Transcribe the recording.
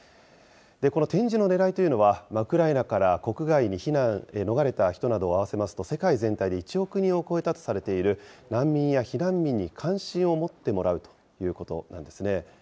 この展示のねらいというのは、ウクライナから国外に逃れた人などを合わせますと、世界全体で１億人を超えたとされている難民や避難民に関心を持ってもらうということなんですね。